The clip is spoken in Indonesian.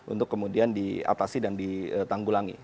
untuk kemudian diatasi dan ditanggulangi